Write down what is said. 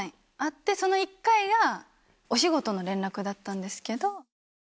その１回が、お仕事の連絡だったんですけど。